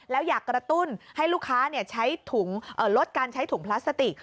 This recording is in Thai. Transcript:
แล้วอยากกระตุ้นให้ลูกค้าใช้ถุงลดการใช้ถุงพลาสติก